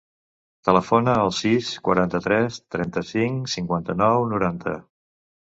Telefona al sis, quaranta-tres, trenta-cinc, cinquanta-nou, noranta.